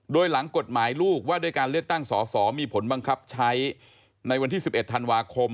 โดยหลังกฎหมายลูกว่าด้วยการเลือกตั้งสอสอมีผลบังคับใช้ในวันที่๑๑ธันวาคม